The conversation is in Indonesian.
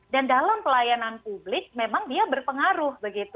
dan dalam pelayanan publik memang dia berpengaruh